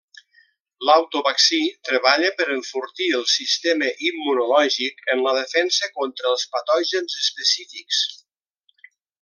L'autovaccí treballa per enfortir el sistema immunològic en la defensa contra els patògens específics.